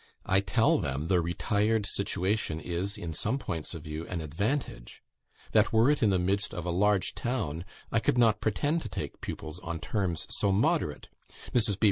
I tell them the retired situation is, in some points of view, an advantage; that were it in the midst of a large town I could not pretend to take pupils on terms so moderate (Mrs. B.